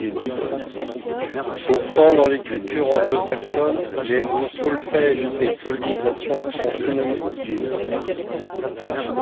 Pourtant, dans les cultures anglo-saxonnes, les mots solfège et solmisation sont synonymes.